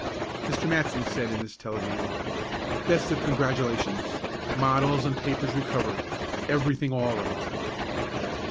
Mr. Matson said in his telegram: "Best of congratulations. Models and papers recovered. Everything all right."